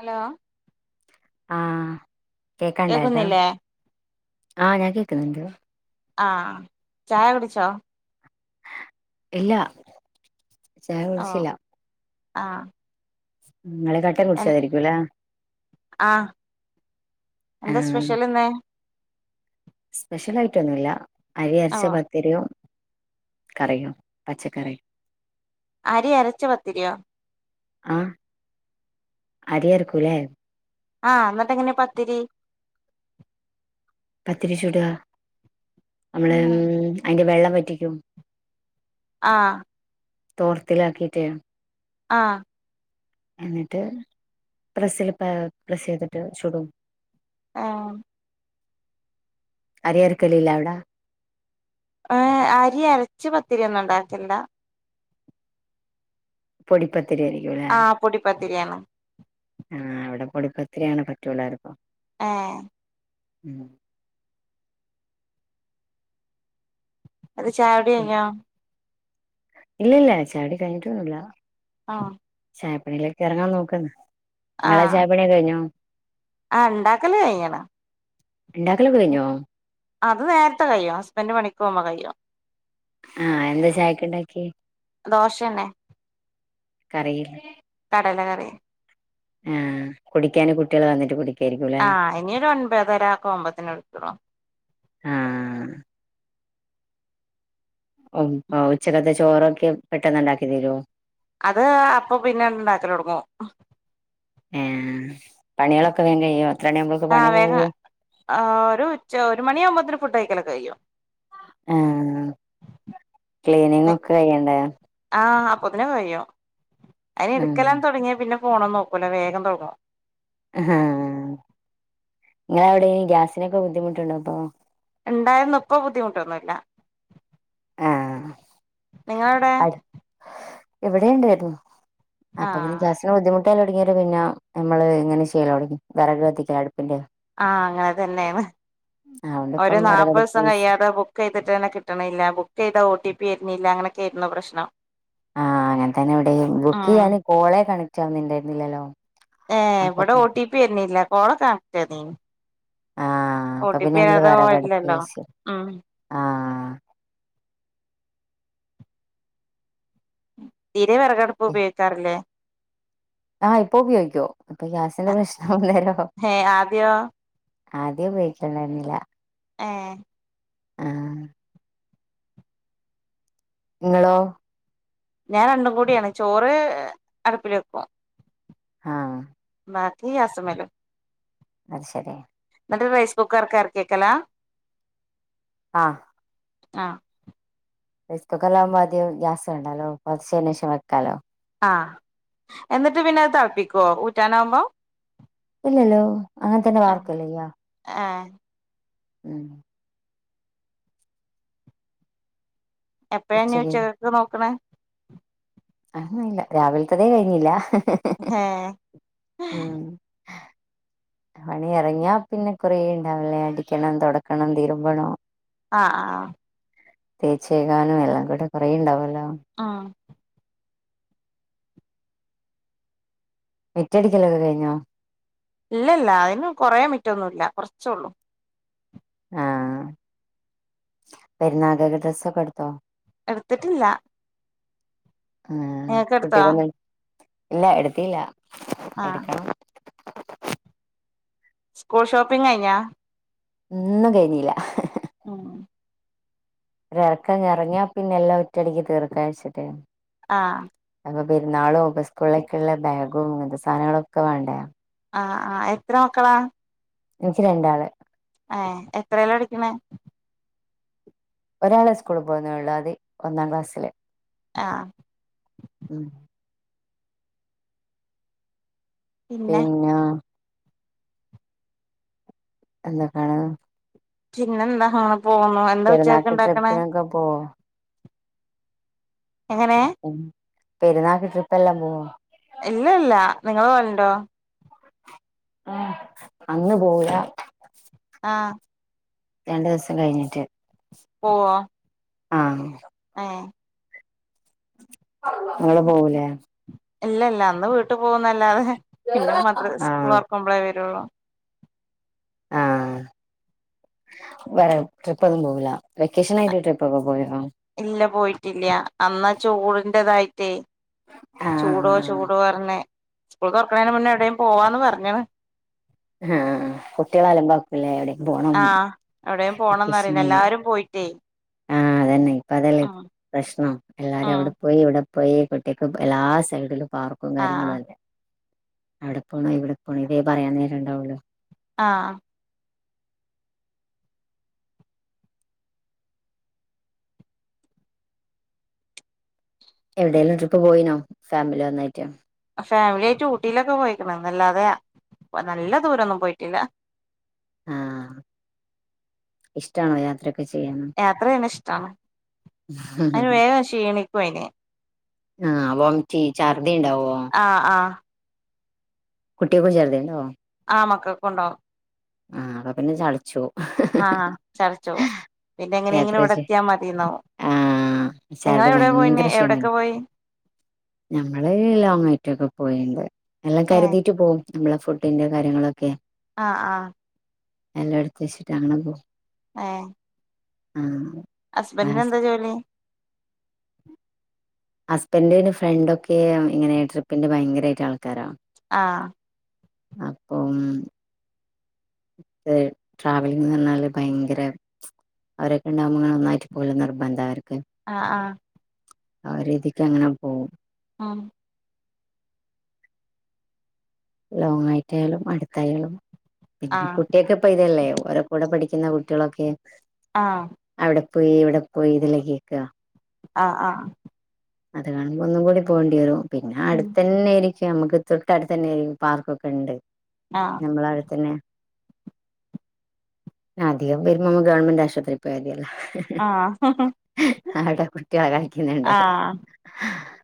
Hello ആഹ് കേക്കാണ്ടായിരുന്നൊ കേക്കുന്നില്ലേ ആഹ് ഞാൻ കേക്കുന്നുണ്ട് ആഹ് ചായ കുടിച്ചോ ഇല്ല ചായ ഓഹ് കുടിച്ചില്ല ആഹ് ഇങ്ങള് കട്ടൻ എ കുടിച്ചതായിരിക്കും ലെ ആഹ് എന്താ സ്പെഷ്യല്ന്ന് സ്പെഷ്യലായിട്ടൊന്നുല്ല അരി ഓ അരച്ച പത്തിരിയും കറിയും പച്ചക്കറി അരി അരച്ച പത്തിരിയോ ആഹ് അരി അരക്കൂലേ ആഹ് ന്നട്ട് എങ്ങനെ പത്തിരി പത്തിരി ചുട നമ്മള് ഉം അയിന്റെ വെള്ളം വറ്റിക്കും ആഹ് തോർത്തിലാക്കിട്ട് ആഹ് എന്നിട്ട് പ്രസ്സില് പ പ്രസ്സെയ്തിട്ട് ചുടും ആഹ് അരി അരക്കലില്ലാവടെ ഏഹ് അരി അരച്ച് പത്തിരി ഒന്നും ണ്ടാക്കില്ല പൊടിപ്പത്തിരി ആയിരിക്കും ലെ ആഹ് പൊടിപ്പത്തിരിയാണ് ആഹ് അവിടെ പൊടിപ്പത്തിരിയാണ് പറ്റുവെല്ലാർക്കും ആഹ് ഉം അത് ചായൊടി ഞ്ഞോ ഇല്ലല്ല ചായടി കഴിഞ്ഞിട്ടൊന്നുല്ല ആഹ് ചായപ്പണിയിലേക്ക് ഇറങ്ങാൻ നോക്കന്ന് ങ്ങളെ ആഹ് ചായപ്പണിയക്കെ കഴിഞ്ഞോ ആഹ് ണ്ടാക്കല് കഴ്ഞ്ഞ്ണ് ണ്ടാക്കലൊക്കെ കഴിഞ്ഞോ അത് നേരത്തെ കഴിയും ഹസ്ബന്റ് പണിക്കോവുമ്പൊ കയ്യും ആഹ് എന്ത ചായക്ക് ണ്ടാക്കിയേ ദോശന്നെ കറിയില്ല കടല കറി ആഹ് കുടിക്കാന് കുട്ടിആള് വന്നിട്ട് കുടി ആഹ് ഇങ്ങനൊരു ഒൻപത്തരംക്കെ ഒ്പത്തിന എടുതുളു ആഹ് ഓ ഉച്ചക്കത്തെ ചോറൊക്കെ പെട്ടെന്ന് ണ്ടാക്കി തീരോ അത് അപ്പൊ പിന്നെ ണ്ടാക്കലൊടുങ്ങു ഏഹ് പണിയേളൊക്കെ വേ കയ്യോ ആഹ് വേഗ ആഹ് ഒരു ച്ച ഒരു മണിയാവുമ്പോത്ത്ന് ഫുഡയ്ക്കലൊക്കെ കയ്യു ഏ ഹ് ക്ലീനിങ്ങൊക്കെ കയ്യണ്ടേ ആഹ് അപ്പൊതിനെക്കെ കയ്യും അയ്ന് ഉം ട്ക്കലൻ തുടങ്ങിയ പിന്നെ ഫോണം നോക്കൂല്ലേ വഗം തൊട്ങ്ങും അഹാ ങ്ങള അവിടെ ഗ്യാസിനൊക്കെ ബുദ്ധിമുട്ടുണ്ടോ പ്പൊ ണ്ടാരുന്നു ഇപ്പോ ബുദ്ധിമുട്ടൊന്നുല്ല ആഹ് നിങ്ങളവടെ എവിടെുണ്ടാരുന്നു ആ അപ്പ പിന്നെ ഗ്യാസ് ബുദ്ധിമുട്ടാല തുടങ്ങിയര പിന്നെ നമ്മള് ഇങ്ങനെ ചെയ്യല്ലോടങ്ങി വിറക്ക് കത്തിക്ക അടുപ്പിന്റെ ആഹ് അങ്ങനെ തന്നെണ് അതുകൊണ്ട് ഒരു ഇപ്പം നാല്പ്പ വിറകടുപ്പ് ദിവസം യൂസ് കഴിയാതെ ബുക്ക് ചെയ്തിട്ട് തന്ന കിട്ടണില്ല ബുക്ക് ചെയ്ത ഒ ടി പി വെര്ന്നില്ല അങ്ങനെയൊക്കാരുന്നു പ്രശ്നം ആഹ് അങ്ങനെ തന്നെ വിടെയും ബുക്ക് ഉം ചെയ്യാണ് കോളേ കണക്ട് ആവുന്നുണ്ടായിരുന്നില്ലല്ലോ ഏ വടെ ഓ ടി പി വര്ന്ല്ല കോള കണക്ടായിർനീനി ആഹ് അപ്പൊ പിന്നെ നമ്മള് ഓട്ടിപ്പരാതെ വെറകടുപ്പ് പോല്ലല്ലോ വെച്ച് ഉം ആഹ് തീരെ വിറകട്പ്പ് ഉപയോഗിക്കാറില്ലേ ആഹ് ഇപ്പൊ ഉപയോഗിക്കു പ്പൊ ഗ്യാസിന്റെ പ്രശ്നം വന്നേരം ഹേ ആദ്യോ ആദ്യം ഉപയോഗിക്കണ്ടാര്ന്നില്ല ഏഹ് ആഹ് ങ്ങളോ ഞാൻ രണ്ടും കൂടിയാണ് ചോറ് അടുപ്പിലെക്കും ആഹ് ബാക്കീ ഗ്യാസ്മെലും അത് ശരി ന്നട്ട് റൈസ് കുക്കർക്ക് എർക്കിയക്കലാ ആഹ് ആഹ് റെയ്സ് കുക്കറിലാവകുമ്പോ അധികം ഗ്യാസാണ്ടാലോ പത്ച്ചേനേഷം വെക്കാലോ ആഹ് എന്നിട്ട് പിന്നെ അത് തള്പ്പിക്കുവോ ഊറ്റാനാവുമ്പോ ഇല്ലല്ലോ അങ്ങൻ തന്നെ വാർക്കല്ലയ്യാ എ ഏ ഉം എപ്പയ ഇഞ്ഞ് ഉച്ചക്ക് ഉച്ചക്കക്ക് നോക്ക്ണ് അവുന്നില്ല രാവിൽത്തതേ കഴിഞ്ഞില്ല ഉം ഏഹ് പണി എർങ്ങിയാ പിന്നെ കൊറേ ഇണ്ടാവുലേ അടിക്കണം, തുടക്കണം, തിരുമ്പണം ആഹ് ആഹ് തേച്ചയ്കാനും എല്ലാംകൂടെ കൊറേ ണ്ടാവല്ലോ ആഹ് മിറ്റടിക്കലൊക്കെ കഴിഞ്ഞോ ഇല്ലല്ല അയിന്കൊറേ മിറ്റൊന്നുല്ല കൊർച്ചൊള്ളൂ ആഹ് പെര്ന്നാക്കേക്ക് ഡ്രെസ്സൊക്കെട്ത്തോ എട്ത്തിട്ടില്ല ആഹ് എടുത്തോ കുട്ടിയാ കൊക്കെ [unintelligible] ഇല്ല എട്ത്തീല്ല ആഹ് എട്ക്കണം സ്കൂൾ ഷോപ്പിംഗയിഞ്ഞോ ഒന്നും കഴിഞ്ഞീല്ല ഉം ഉം ഒരർക്കങ്ങ് എർങ്ങ്യപിന്നെ എല്ലാ ഒറ്റടിക്ക്തീർക്കച്ചിട്ടേനു ആഹ് അപ്പൊപെർന്നാളും അപ്പോ സ്കൂളെക്ക്‌ള്ള ബാഗും ഇങ്ങൻത്തെ സാനങ്ങളെക്കെ വാണ്ടെ ആഹ് ആഹ് എത്ര മക്കളാ ഇൻക്കി രണ്ടാള് ഏ എത്രേലാടിക്കിണെ? ഒരാളെസ്കൂളിൽ പോണുള്ളൂ അതി ഒന്നാംക്ലാസ്സില് ആഹ് ഉം പിന്നെ ഞാ.. എന്ന്ട്ടാണ് പിന്നെ എന്താ അങ്ങനെ പോവുന്നു പെരുന്നാക്ക്‌ ട്രിപ്പിനൊക്കെ പോവൊ എങ്ങനെ ഉം പെരുന്നാക്ക് ട്രിപ്പെല്ലാം പോവോ ഇല്ല ല്ല നിങ്ങള് പോവൽണ്ടോ ആ അന്ന് പോവൂല ആഹ് രണ്ട് ദിവസം കഴിഞ്ഞിട്ട് പോവോ ആഹ് ഏ ഇങ്ങള് പോവുലെ ഇല്ല ല്ല അന്ന് വീട്ടുപോവുന്നല്ലാതെ പിന്നെ മദ്ര ആഹ് സ്കൂളൊർക്കുമ്പളേ വെരുള്ളൂ [unintelligible] ട്രിപ്പപ്പൊന്നും പോവൂല വെക്കേഷനായിട്ട് ട്രിപ്പൊക്കെ പോയോ ഇല്ല പോയിട്ടില്ല. അന്നാ ആ ചൂട്ന്റതായിട്ടേ ചൂടോ ആഹ് ചൂടോർഞ് സ്കൂള് തോർക്ക്‌ണെന്റെ മുന്നേ എവിടേം പോവാന്ന് പർഞ്ണ് ഹാ കുട്ട്യളലാംബകുലേ എവിടേം പോണം ആഹ് എവിടെയും പോണംന്ന് വെക്കേഷൻ പറയ്ണ്ട് ൽ എല്ലാരും പോയിട്ടേ അതന്നെ ഇപ്പതല്ലേ ഉം പ്രശ്നം എല്ലാരും ഉം അവിടെ പോയി ഇവടെ പ്പ ഈ കുട്ട്യേക്ക് എല്ലാ സൈഡിലും പാർക്കും കാര്യങ്ങളു ആഹ് അല്ലെ അവടെ പോണം ഇവടെ പോണം ഇതേ പറയാൻ നേരണ്ടാവള്ളു ആ എവിടെലുംട്രിപ്പ് പോയിനോ ഫാമിലി ഒന്നായിട്ട് ഫാമിലി ആയിട്ട് ഊട്ടിയിലൊക്കെ പോയിക്ക്‌ണ്ന്നല്ലാതെ നല്ല ദൂരന്നും പോയിട്ടില്ല ആഹ് ഇഷ്ടാണോ യാത്ര ചെയ്യാന് യാത്രയ്യ്ണ ഇഷ്ടാണ് അയ്ന് വേഗം ക്ഷീണിക്കു അയ്ന് ആ വോംറ്റി ഛർദി ഇണ്ടാവോ ആ ആ കുട്ട്യേക്കും ഛർദി ണ്ടാവോ ആ മക്കക്ക്‌ണ്ടാവും ആ അപ്പൊ പിന്നെ ചട്ചോവും ആ ചട്ച്ചോവും പിന്നെ എങ്ങനെങ്കിലും ഇവടെ യാത്രച്ച് എത്തിയാ മതിന്നാവും ആഹ് ശാരദ നിങ്ങള് എവിടെ പോയിന്യേ ഭയങ്കര എവിടെക്കെ പോയി ഞങ്ങള് ലോങ്ങായിറ്റൊക്കെ പോയിണ്ട് എല്ലാം ഏഹ് കരുതിയിട്ട് പോവും നമ്മളെ ഫുഡിന്റെ കാര്യങ്ങളൊക്കെ ആ ആ എല്ലോട്ത്ത് ഇഷ്ടാണ് [unintelligible] ഏ ആം ഹസ്ബന്റിന് എന്താ ജോലി ഹസ്ബൻഡ്ന് ഫ്രണ്ട് ഒക്കെ ഇങ്ങനെ ട്രിപ്പിന്റെ ഭയങ്കരായിട്ട് ആൾക്കാര ആഹ് അപ്പം ട്രാവലിംഗ് പർഞ്ഞാല് ഭയങ്കര അവരൊക്കെ ഇണ്ടാവുമ്പോ ഒന്നായിട്ട് പോവല് നിർബന്ധ അവര്ക്ക് ആ ആ ആ രീതിക്ക് അങ്ങന പോവും ആ ലോങ് ആയിട്ടായാലും അടുത്തായാലും പിന്നെ ആഹ് കുട്ടിയക്ക് ഇപ്പൊ ഇതല്ലേ ഓരോ കൂടെ പഠിക്കുന്ന കുട്ടികളൊക്കെ ആ അവിടെ പോയി ഇവിടെ പോയി ഇതല്ലേ കേക്ക്ക ആ ആ അത് കാണുമ്പോ ഒന്നും കൂടി പോണ്ടി വരും പിന്നെ ഉം അടുത്ത തന്നെയേന് പക്ഷെ നമുക്ക് തൊട്ടടു തന്നെ ന് പാർക്കൊക്കെ ഉണ്ട് ആഹ് നമ്മള അടുത്തന്നെ അധികം വരുമ്പോമ്മ ഗവൺമെന്റ് ആശുപത്രി പോയാ തിയല്ലോ ആഹ് ആഹ് [unintelligible]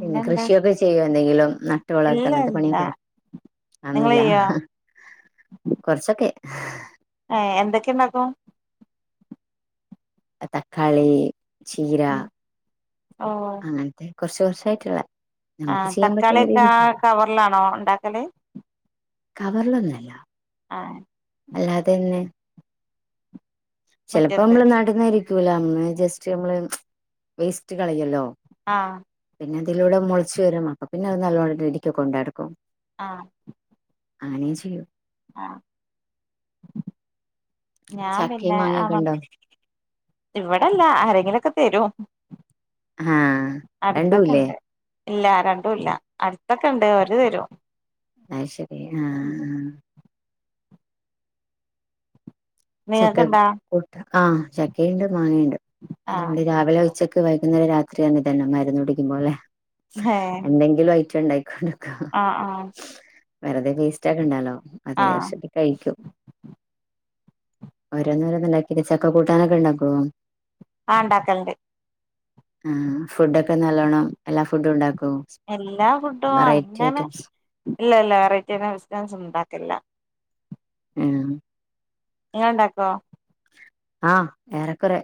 പിന്നെ കൃഷിയൊക്കെ ചെയ്യോ എന്തെങ്കിലും നട്ട് വളർത്ത് ഇല്ല അങ്ങനത്തെ ഇല്ല പണിയൊക്കെ ഇടും നിങ്ങള് അന്നുല്ല ചെയ്യോ കുറച്ചൊക്കെ ഏ എന്തൊക്കെ ണ്ടാക്കും തക്കാളി ചീര ഓ അങ്ങനത്തെ കുറച്ച് കുറച്ചായിട്ടുള്ള ആ നമുക്ക് ചെയ്യാൻ തക്കാളി പറ്റുന്ന ഒക്കെ രീതിക്ക് കവറിലാണോ ഇണ്ടാക്കല് കവറിലൊന്നല്ല ആഹ അല്ലാതെ തന്നെ ചിലപ്പോ മുറ്റത്ത് നമ്മള് ന ട്ടന്നാരിക്കൂല ഉം ജസ്റ്റ് നമ്മള് വേസ്റ്റ് കളയല്ലോ ആ പിന്നെ അതിലൂടെ മുളിച്ച് വരും അപ്പ പിന്നെ അത് നല്ലോണ്ണംടിക്കൊക്കെ കൊണ്ടടക്കും ആ അങ്ങനെ ചെയ്യൂ ആഹ ഞാൻ ചക്കയും പിന്നെ മാങ്ങയൊക്കെ അമർ ഉണ്ടോ ഇവിടെല്ല ആരെങ്കിലൊക്കെ തരും ആഹ് അടുത്തൊക്കെ രണ്ടുല്ലേ ഇണ്ട് ഇല്ല രണ്ടും അല്ല അടുത്തൊക്കെ ഇണ്ട് അവര്തരും അയ് ശരി ആ ആ ചക്ക നിങ്ങൾക്കുണ്ടാ കൂട്ടാൻ ചക്കയുണ്ട് മാങ്ങയുണ്ട് അതുകൊണ്ട് ആഹ് രാവിലെ ഉച്ചക്ക് വൈകുന്നേരം രാത്രിയാണ് ഇതന്നെ മരുന്ന്ടിക്കുമ്പോലെ എന്തെങ്കിലും ഐറ്റം ഉണ്ടായിക്കോണ്ട്ക്കും ആ ആഹ വെറുതെ വേസ്റ്റാക്കണ്ടാലോ അത് ആഹ് വിടാരിച്ചിട്ട് കയിക്കും ഓരോന്നോരോന്ന് ണ്ടാക്കി ചക്ക കൂട്ടാനൊക്കെ ഉണ്ടാക്കോ ആ ഇണ്ടാക്കല്ണ്ട് ആ ഫുഡൊക്കെ നല്ലോണം എല്ലാ ഫുഡും ഇണ്ടാക്കോ എല്ലാ ഫുഡും അങ്ങനെ ഇല്ല ഇല്ല വെറൈറ്റി ബിസിനസ് ഉണ്ടാക്കലില്ല ഉം ഇങ്ങ ഇണ്ടാക്കോ ആഹ ഏറെക്കുറെ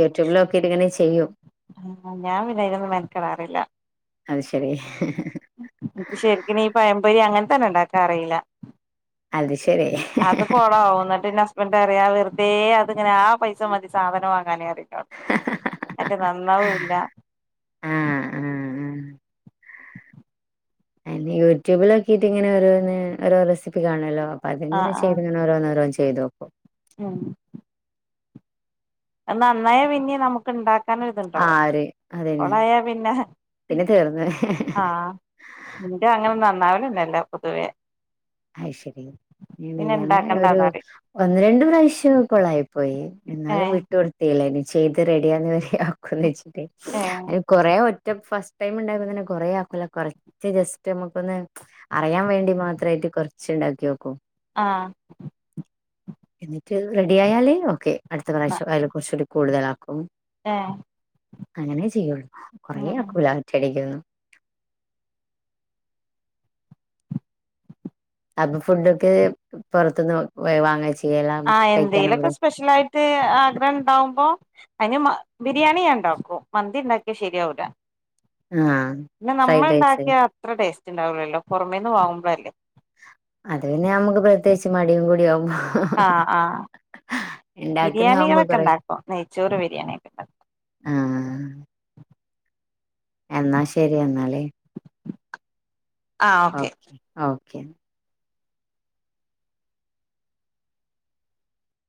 യൂട്യൂബിലോക്കിട്ട് ഇങ്ങനെ ചെയ്യും ആ ഞാൻ പിന്നെ അയിനൊന്നും മെനക്കെടാറില്ല അത് ശരി ഹ് ഹ് ഹ്‌ എനിക്ക് ശരിക്കിന് ഈ പഴംമ്പൊരി അങ്ങനെത്തൊന്നും ഇണ്ടാക്കാ അറില്ല അത് ശരി ഹ് ഹ് ഹ ഓ എന്നിട്ട്ന്റെ ഹസ്ബൻഡ് റയാ വെറുതെ അതിങ്ങനെ ആ പൈസ മതി സാധനം വാങ്ങാനേ പറയിട്ടോ അത്റ്റ നന്നാവും ഇല്ല ആഹ് ആഹ് യൂട്യൂബിലൊക്കിയിട്ട് ഇങ്ങനെ ഒര് ഓരോ റെസിപ്പി കാണല്ലോ അപ്പൊ ആഹ് അത്ങ്ങനെ ആഹ് ചെയ്തങ്ങന ഓരോന്നോരോന്ന് ചെയ്തോക്കും ഉം അത് നന്നായ പിന്നിം നമുക്ക് ഇണ്ടാക്ക കന് ത്ണ്ടാവും ആര് അതന്നെ കൊളായ പിന്നെ പിന്നെ തീർന്ന് ആഹ ഇന്റെ അങ്ങനെ നന്നാവ്ണഞ്ഞെല്ല പൊതുവെ. അഹ്ശരി പിന്നെ ഇവടെണേ ഒരു ഇണ്ടാക്കണ്ടാന്നറിം ഒന്ന് രണ്ട് പ്രാവശ്യം കൊളായി. പോയി എന്നാലും ഏഹ് വിട്ടു കൊടുത്തില്ല ഇനി ചെയ്ത് റെഡിയാന്ന് റെഡിയാക്കുംന്ന് വെച്ചിട്ടെ [unintelligible] കൊറേ ഒറ്റ ഫസ്റ്റ് ടൈം ഉണ്ടായപ്പോ തന്നെ കൊറേ ആക്കൂല കുറച്ച് ജസ്റ്റ് നമുക്കൊന്ന്. അറിയാൻ വേണ്ടി മാത്രായിട്ട് കൊറച്ച് ഇണ്ടാക്കി നോക്കും. ആഹ് എന്നിട്ട റെഡി ആയാല് ഓക്കെ അടുത്ത പ്റാശ്യം അയല് കുറച്ചുടി കൂ കൂടുതലാക്കും. എ അങ്ങനെ ചെയ്യുള്ളൂ കൊറേ ഉം അക്കൂല ഒറ്റടിക്കൊന്നും. അപ്പൊ ഫുഡൊക്കെ പൊറത്തുന്ന് വാങ്ങാ ചെയ്യല്ല കഴിക്കാനതി. യിട്ട് ആഗ്രഹം ഉണ്ടാവുമ്പോ. അതിന് ബിരിയാണി നാൻ ഉണ്ടാക്കും മന്തി ഉണ്ടാക്കിയാ ശരിയാവൂല്ല. ആഹ് നമ്മൾ ഉണ്ടാക്കിയ അത്ര ടേസ്റ്റ് ഉണ്ടാവില്ലല്ലോ പുറമേന്ന് വാങ്ങുമ്പളല്ലേ? അത് പിന്നെ നമ്മുക്ക് പ്രത്യേകിച്ച് മടിയും കൂടി ആകുമ്പോ ആഹ് ആഹ് ബിരിയാണികളൊക്കെ ഉണ്ടാക്കും നെയ്ച്ചോറ് ബിരിയാണി ഒക്കെ ഉണ്ടാക്കും. ആഹ് ന്നാ ശരി എന്നാല്. ഓക്കെ ഓക